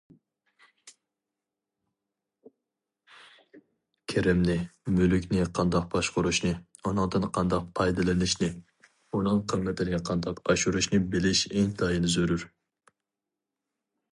كىرىمنى، مۈلۈكنى قانداق باشقۇرۇشنى، ئۇنىڭدىن قانداق پايدىلىنىشنى، ئۇنىڭ قىممىتىنى قانداق ئاشۇرۇشنى بىلىش ئىنتايىن زۆرۈر.